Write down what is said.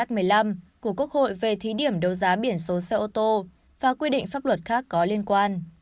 của quốc hội về thí điểm đấu giá biển số xe ô tô và quy định pháp luật khác có liên quan